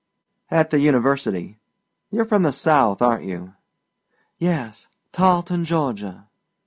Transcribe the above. "At the university. You're from the South, aren't you?" "Yes; Tarleton, Georgia."